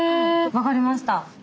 分かりました。